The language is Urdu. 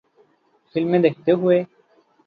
فلمیں دیکھتے ہوئے